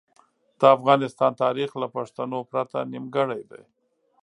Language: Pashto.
د افغانستان تاریخ له پښتنو پرته نیمګړی دی.